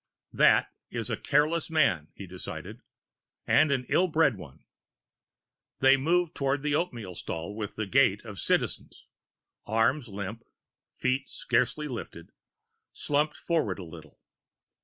"That is a careless man," he decided, "and an ill bred one." They moved toward the oatmeal stall with the gait of Citizens, arms limp, feet scarcely lifted, slumped forward a little.